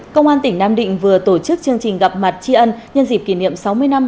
công an tỉnh nam định vừa tổ chức chương trình gặp mặt tri ân nhân dịp kỷ niệm sáu mươi năm